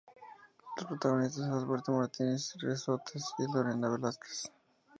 Los protagonistas son Adalberto Martínez "Resortes" y Lorena Velázquez.